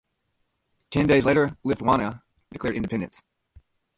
Ten days later Lithuania declared independence.